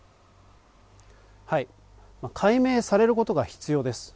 解明されることが必要です。